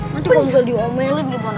nanti kalau misal diomelin gimana